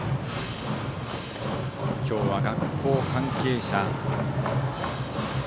今日は学校関係者